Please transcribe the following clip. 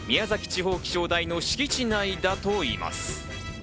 地方気象台の敷地内だといいます。